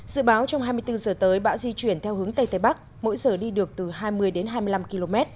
dự báo trong hai mươi bốn giờ tới bão di chuyển theo hướng tây tây bắc mỗi giờ đi được từ hai mươi đến hai mươi năm km